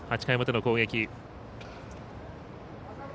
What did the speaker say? ８回表の攻撃。